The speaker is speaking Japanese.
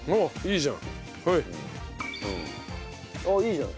ああいいじゃん。